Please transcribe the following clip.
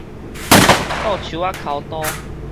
倒手仔剾刀